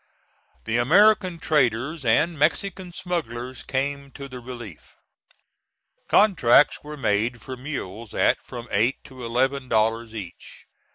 The American traders and Mexican smugglers came to the relief. Contracts were made for mules at from eight to eleven dollars each.